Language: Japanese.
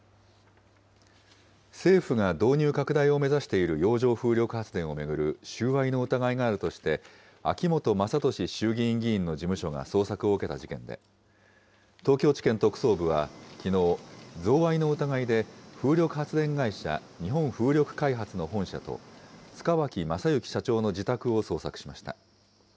政府が導入拡大を目指している洋上風力発電を巡る収賄の疑いがあるとして、秋本真利衆議院議員の事務所が捜索を受けた事件で、東京地検特捜部はきのう、贈賄の疑いで風力発電会社、日本風力開発の本社と、塚脇正幸社長の自宅を捜索しました。